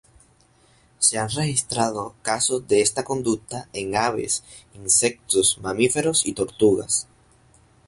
Se han registrado casos de esta conducta en aves, insectos, mamíferos y tortugas.